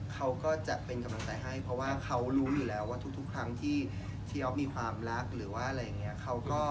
เขาก็จะเป็นกำลังใจให้เพราะว่าเขารู้อยู่แล้วว่าทุกครั้งที่ที่เรามีความรัก